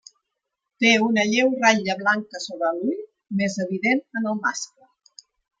Té una lleu ratlla blanca sobre l'ull, més evident en el mascle.